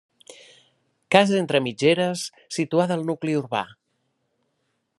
Casa entre mitgeres, situada al nucli urbà.